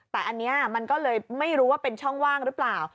แต่อันนี้มันก็เลยไม่รู้ว่าเป็นช่องว่างหรือเปล่า